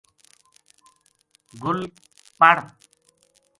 گل پڑ